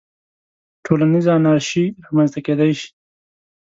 ټولنیزه انارشي رامنځته کېدای شي.